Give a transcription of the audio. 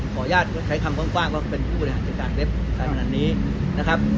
ขออนุญาตใช้คำกว้างว่าเป็นผู้บริหารจัดการเว็บไซขนาดนี้นะครับ